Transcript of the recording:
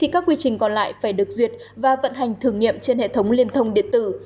các quy trình còn lại phải được duyệt và vận hành thử nghiệm trên hệ thống liên thông điện tử